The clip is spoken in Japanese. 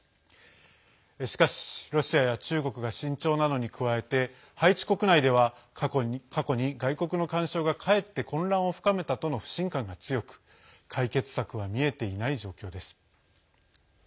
しかし、ロシアや中国が慎重なのに加えてハイチ国内では過去に外国の干渉がかえって混乱を深めたとの不信感が強く解決策は見えていない状況です。